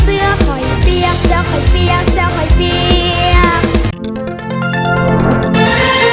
เอาชีวิต